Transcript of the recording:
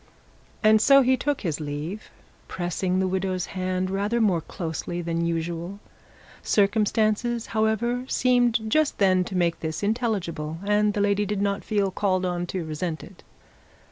And so he took his leave, pressing the widow's hand rather more closely than usual. Circumstances, however, seemed just then to make this intelligible, and the lady did not feel called on to resent it.